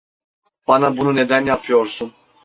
Bana bunu neden yapıyorsun?